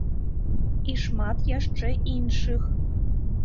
І шмат яшчэ іншых.